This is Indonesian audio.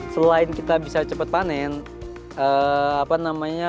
selain kita bisa cepat panen